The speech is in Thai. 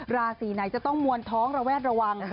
ราศีไหนจะต้องมวลท้องระแวดระวัง